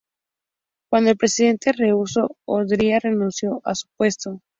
Cuando el presidente rehusó, Odría renunció a su puesto.